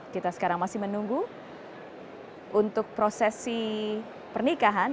kita sekarang masih menunggu untuk prosesi pernikahan